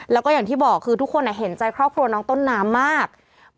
แล้วก็อย่างที่บอกคือทุกคนเห็นใจครอบครัวน้องต้นน้ำมาก